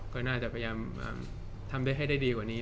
ก็น่าจะพยายามทำได้ให้ได้ดีกว่านี้